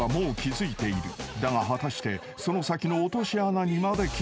［だが果たしてその先の］